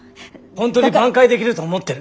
ホントに挽回できると思ってる？